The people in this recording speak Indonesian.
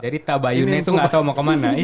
jadi tabayun nya itu gak tau mau kemana